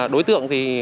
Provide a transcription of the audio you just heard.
đối tượng thì